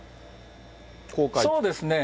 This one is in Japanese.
そうですね。